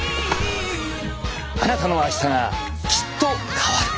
あなたのあしたがきっと変わる。